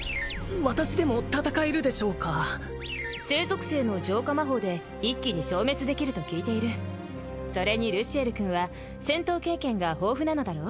私でも戦えるでしょうか聖属性の浄化魔法で一気に消滅できると聞いているそれにルシエル君は戦闘経験が豊富なのだろう？